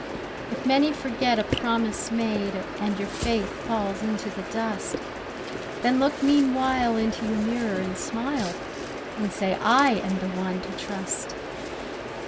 If many forget a promise made, And your faith falls into the dust, Then look meanwhile in your mirror and smile, And say, 'I am one to trust!